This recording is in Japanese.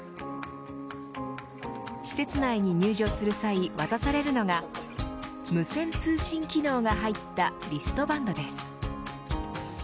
施設内に入場する際渡されるのが無線通信機能が入ったリストバンドです。